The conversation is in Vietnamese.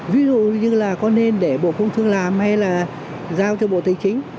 ví dụ như là có nên để bộ công thương làm hay là giao cho bộ tài chính